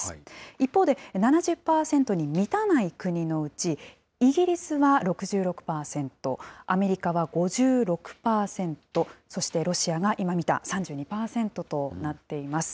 一方で、７０％に満たない国のうち、イギリスは６６％、アメリカは５６％、そしてロシアが今見た３２％となっています。